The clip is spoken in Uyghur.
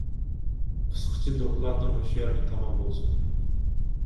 قىسقىچە دوكلاتىم مۇشۇ يەردە تامام بولسۇن.